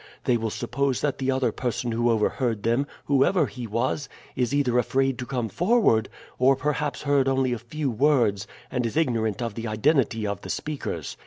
They will suppose that the other person who overheard them, whoever he was, is either afraid to come forward, or perhaps heard only a few words and is ignorant of the identity of the speakers.